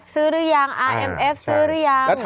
จริงคือ